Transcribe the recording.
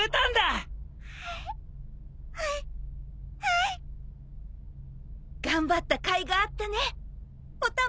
うん！頑張ったかいがあったねお玉。